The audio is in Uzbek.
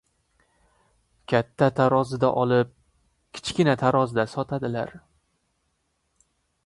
• Katta tarozida olib kichkina tarozida sotadilar.